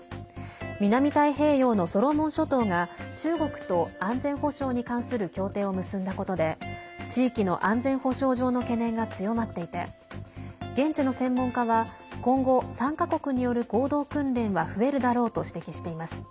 南太平洋のソロモン諸島が中国と安全保障に関する協定を結んだことで地域の安全保障上の懸念が強まっていて現地の専門家は今後、３か国による合同訓練は増えるだろうと指摘しています。